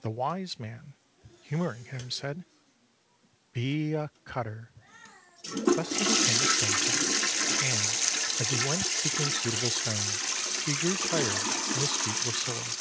The wise man, humoring him, said, "Be a cutter." Thus he became a stone cutter, and as he went seeking suitable stone, he grew tired, and his feet were sore.